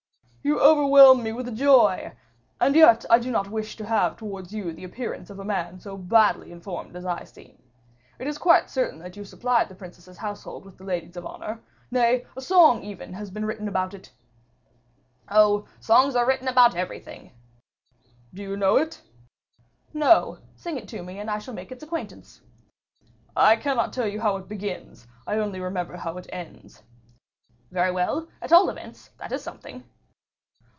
"You overwhelm me with joy. And yet I do not wish to have towards you the appearance of a man so badly informed as I seem. It is quite certain that you supplied the princess's household with the ladies of honor. Nay, a song has even been written about it." "Oh! songs are written about everything." "Do you know it?" "No: sing it to me and I shall make its acquaintance." "I cannot tell you how it begins; I only remember how it ends." "Very well, at all events, that is something."